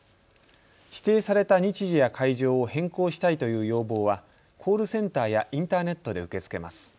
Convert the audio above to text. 指定された日時や会場を変更したいという要望はコールセンターやインターネットで受け付けます。